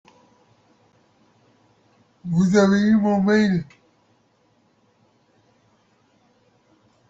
Vous avez eu mon mail ?